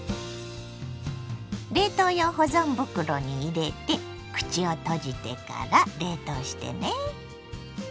冷凍用保存袋に入れて口を閉じてから冷凍してね。